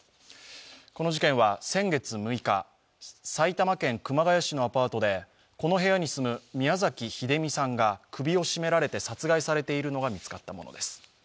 この事件は、先月６日、埼玉県熊谷市のアパートでこの部屋に住む宮崎英美さんが首を絞められて殺害されているのが見つかったものです。